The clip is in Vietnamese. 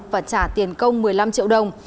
và trả tiền công một mươi năm triệu đồng